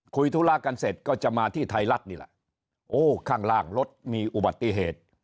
ธุระกันเสร็จก็จะมาที่ไทยรัฐนี่แหละโอ้ข้างล่างรถมีอุบัติเหตุ